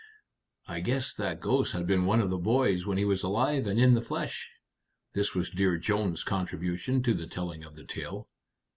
"I guess that ghost had been one of the boys when he was alive and in the flesh." This was Dear Jones's contribution to the telling of the tale.